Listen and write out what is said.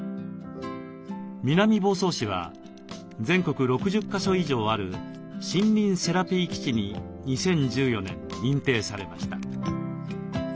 南房総市は全国６０か所以上ある「森林セラピー基地」に２０１４年認定されました。